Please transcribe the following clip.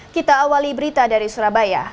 kita awali berita dari surabaya